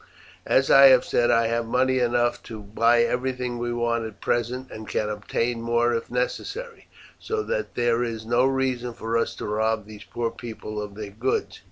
As I said I have money enough to buy everything we want at present, and can obtain more if necessary, so that there is no reason for us to rob these poor people of their goods.